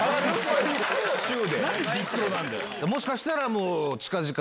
もしかしたら近々。